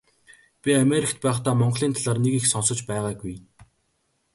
Би Америкт байхдаа Монголын талаар нэг их сонсож байгаагүй.